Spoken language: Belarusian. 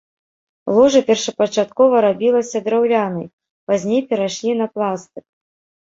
Ложа першапачаткова рабілася драўлянай, пазней перайшлі на пластык.